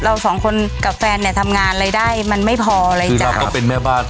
เราสองคนกับแฟนเนี่ยทำงานรายได้มันไม่พออะไรจ้ะเราก็เป็นแม่บ้าน